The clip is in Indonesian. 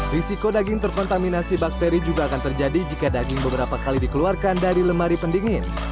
risiko daging terkontaminasi bakteri juga akan terjadi jika daging beberapa kali dikeluarkan dari lemari pendingin